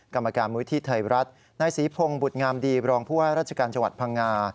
กรรมการมูลที่ไทยรัฐนายศรีพงศ์บุตรงามดีรองผู้ว่าราชการจังหวัดพังงา